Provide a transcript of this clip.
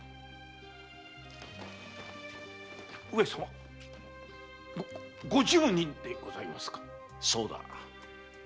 上様五十人でございますか⁉そうだ。